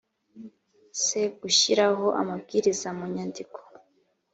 c gushyiraho amabwiriza mu nyandiko